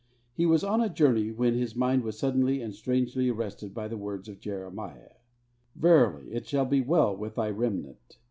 He was on a journey when his mind was suddenly and strangely arrested by the words of Jeremiah, 'Verily, it shall be well with Thy remnant.'